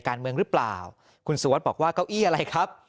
การเมืองหรือเปล่าคุณสุวัสดิ์บอกว่าเก้าอี้อะไรครับ